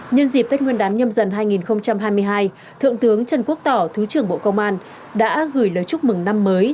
nhân dịp tết nguyên đán nhâm dần hai nghìn hai mươi hai thượng tướng trần quốc tỏ thứ trưởng bộ công an đã gửi lời chúc mừng năm mới